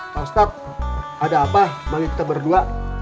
pak ustadz ada apa bagi kita berdua